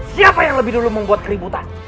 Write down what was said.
siapa yang lebih dulu membuat keributan